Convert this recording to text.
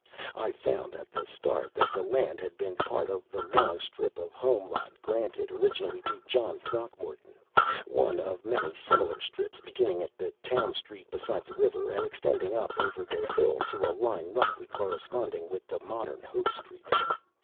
I found, at the start, that the land had been part of the long strip of home lot granted originally to John Throckmorton; one of many similar strips beginning at the Town Street beside the river and extending up over the hill to a line roughly corresponding with the modern Hope Street.